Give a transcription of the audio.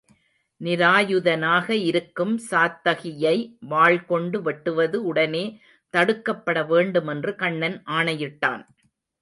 நிராயுதனாக இருக்கும் சாத்தகியை வாள்கொண்டு வெட்டுவது உடனே தடுக்கப்பட வேண்டும் என்று கண்ணன் ஆணையிட்டான்.